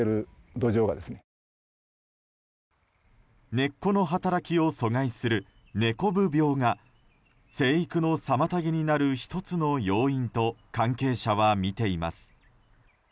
根っこの働きを阻害する根こぶ病が生育の妨げになる１つの用意と関係者は見ています。